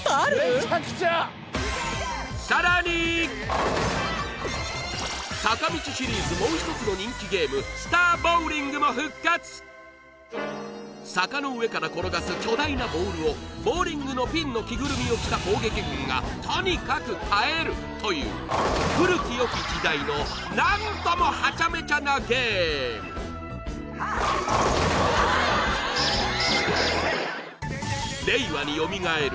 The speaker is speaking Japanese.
めちゃくちゃさらに坂道シリーズもう一つの人気ゲームも復活坂の上から転がす巨大なボールをボウリングのピンの着ぐるみを着た攻撃軍がとにかく耐えるという古き良き時代の何ともハチャメチャなゲーム令和によみがえる